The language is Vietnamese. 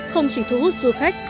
không chỉ thu hút du khách